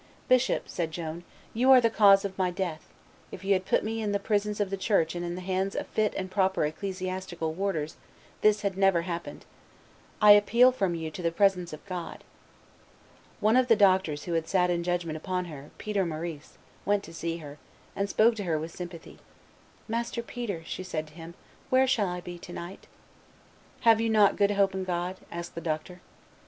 "Bishop," said Joan, "you are the cause of my death; if you had put me in the prisons of the Church and in the hands of fit and proper ecclesiastical warders, this had never happened; I appeal from you to the presence of God." One of the doctors who had sat in judgment upon her, Peter Maurice, went to see her, and spoke to her with sympathy. "Master Peter," said she to him, "where shall I be to night?" "Have you not good hope in God?" asked the doctor. "O!